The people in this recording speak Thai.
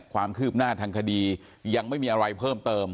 ความคืบหน้าทางคดียังไม่มีอะไรเพิ่มเติม